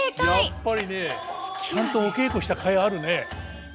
やっぱりねちゃんとお稽古したかいあるね。